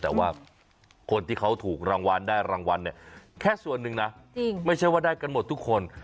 แต่ว่าคนที่เขาถูกรางวัลได้รางวัลเนี่ยแค่ส่วนหนึ่งนะไม่ใช่ว่าได้กันหมดทุกคน